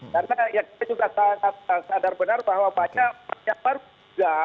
karena kita juga sangat sadar benar bahwa banyak orang yang baru saja